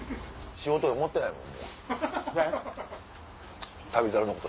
仕事と思ってないもん。